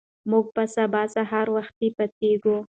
موږ به سبا سهار وختي پاڅېږو.